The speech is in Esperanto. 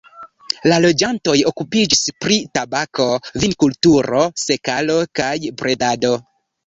La loĝantoj okupiĝis pri tabako, vinkulturo, sekalo kaj bredado.